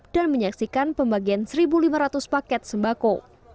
dan menyaksikan pembagian satu lima ratus paket sembako